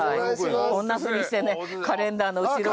こんなふうにしてねカレンダーの後ろに。